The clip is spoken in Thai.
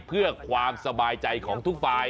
เพื่อความสบายใจของทุกฝ่าย